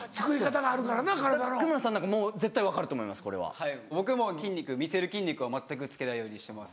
はい僕も見せる筋肉を全くつけないようにしてます。